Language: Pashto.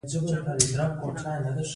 ځکه هغه لومړی د ټولنې یوه اړتیا پوره کوي